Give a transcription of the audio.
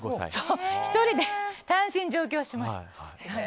１人で単身上京しました。